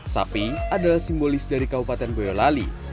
sapi adalah simbolis dari kabupaten boyolali